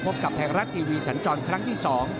กับไทยรัฐทีวีสันจรครั้งที่๒